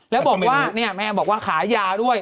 แล้วแม่บอกว่าขายาด้วย